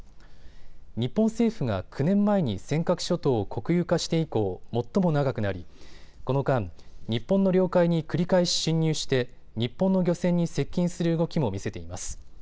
日本政府が９年前に尖閣諸島を国有化して以降、最も長くなりこの間、日本の領海に繰り返し侵入して日本の漁船に接近する動きも見せています。